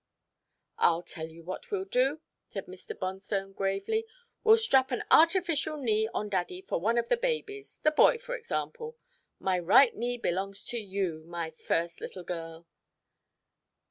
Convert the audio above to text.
"I'll tell you what we'll do," said Mr. Bonstone gravely, "we'll strap an artificial knee on Daddy for one of the babies the boy for example. My right knee belongs to you, my first little girl."